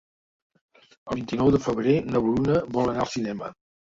El vint-i-nou de febrer na Bruna vol anar al cinema.